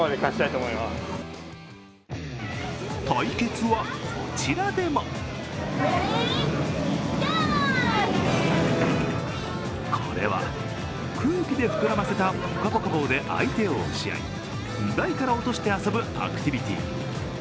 対決は、こちらでもこれは、空気で膨らませたぽかぽか棒で相手を押し合い台から落として遊ぶアクティビティー。